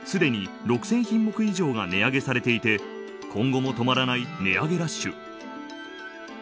すでに６０００品目以上が値上げされていて今後も止まらない値上げラッシュ。